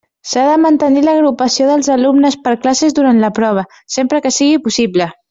S'ha de mantenir l'agrupació dels alumnes per classes durant la prova, sempre que sigui possible.